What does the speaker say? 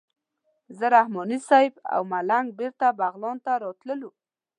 زه رحماني صیب او ملنګ بېرته بغلان ته راتللو.